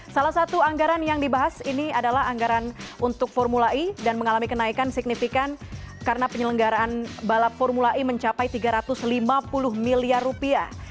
salah satu anggaran yang dibahas ini adalah anggaran untuk formula e dan mengalami kenaikan signifikan karena penyelenggaraan balap formula e mencapai tiga ratus lima puluh miliar rupiah